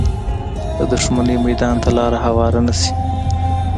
د دښمنۍ میدان ته لاره هواره نه شي